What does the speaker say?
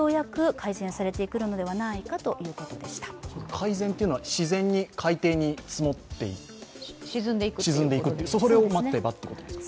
改善というのは、自然に海底に沈んでいく、それを待てばということですか？